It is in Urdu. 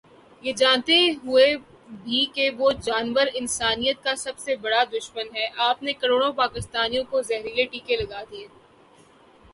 یہ جانتے ہوئے بھی کہ وہ جانور انسانیت کا سب سے بڑا دشمن ہے آپ نے کروڑوں پاکستانیوں کو زہریلے ٹیکے لگا دیے۔۔